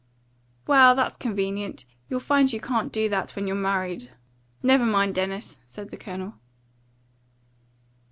"Well, that's convenient. You'll find you can't do that when you're married. Never mind, Dennis," said the Colonel.